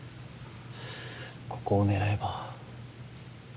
ここを狙えば。